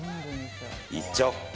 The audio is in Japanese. いっちゃおう。